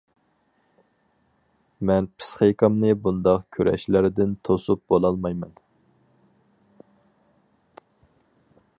مەن پىسخىكامنى بۇنداق كۈرەشلەردىن توسۇپ بولالمايمەن.